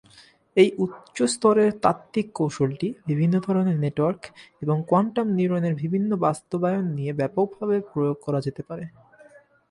এই উচ্চ-স্তরের তাত্ত্বিক কৌশলটি বিভিন্ন ধরনের নেটওয়ার্ক এবং কোয়ান্টাম নিউরনের বিভিন্ন বাস্তবায়ন নিয়ে ব্যাপকভাবে প্রয়োগ করা যেতে পারে।